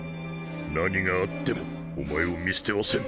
何があってもお前を見捨てはせん。